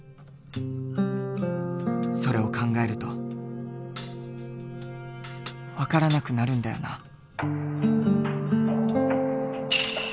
それを考えると分からなくなるんだよな。